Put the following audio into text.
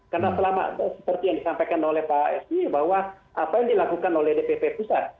karena selama seperti yang disampaikan oleh pak sby bahwa apa yang dilakukan oleh dpp pusat